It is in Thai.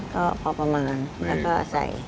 ก็พอประมาณแล้วก็ใส่